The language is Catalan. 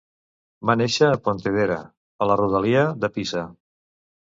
Va nàixer a Pontedera, a la rodalia de Pisa.